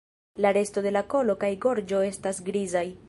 La resto de la kolo kaj gorĝo estas grizaj.